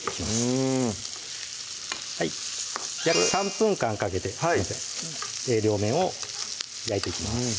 うん約３分間かけて両面を焼いていきます